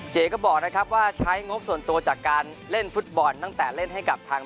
เจ๊ก็บอกนะครับว่าใช้งบส่วนตัวจากการเล่นฟุตบอลตั้งแต่เล่นให้กับทาง